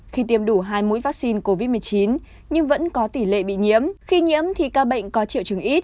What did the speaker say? khi tiêm đủ hai mũi vaccine covid một mươi chín nhưng vẫn có tỷ lệ bị nhiễm khi nhiễm thì ca bệnh có triệu chứng ít